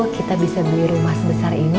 kita bisa beli rumah sebesar ini